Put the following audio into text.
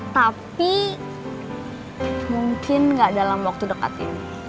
tapi mungkin nggak dalam waktu dekat ini